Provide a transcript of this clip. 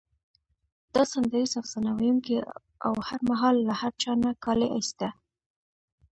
دا سندریز افسانه ویونکی او هر مهال له هر چا نه کالي ایسته.